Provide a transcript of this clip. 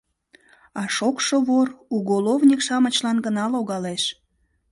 А шокшо вор уголовник-шамычлан гына логалеш.